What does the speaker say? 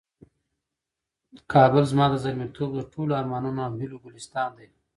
کابل زما د زلمیتوب د ټولو ارمانونو او هیلو ګلستان دی.